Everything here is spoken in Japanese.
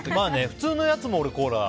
普通のやつも俺、コーラ。